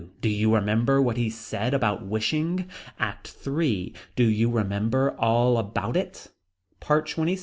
Do you remember what he said about wishing. ACT III. Do you remember all about it. PART XXVI.